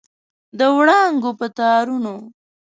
د وړانګو په تارونو